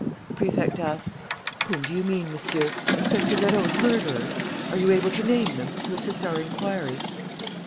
The Prefect asked: "Whom do you mean, Monsieur? Inspector Vérot's murderers? Are you able to name them, to assist our inquiry?"